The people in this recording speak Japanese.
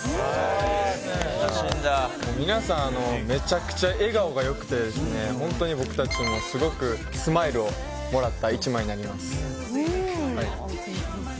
めちゃくちゃ笑顔が良くて本当に僕たちもすごくスマイルをもらった一枚になります。